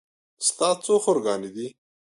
ستا څو خور ګانې دي